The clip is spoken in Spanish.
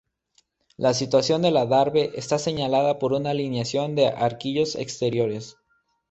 La situación del adarve está señalada por una alineación de arquillos exteriores.